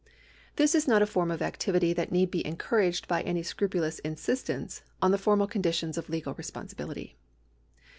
This is not a form of activity that need be encoiu^aged by any scrupidous insistence on the formal conditions of legal responsibility.